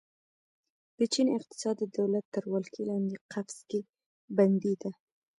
د چین اقتصاد د دولت تر ولکې لاندې قفس کې بندي ده.